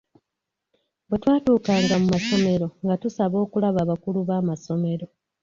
Bwe twatuukanga mu masomero nga tusaba okulaba abakulu b’amasomero.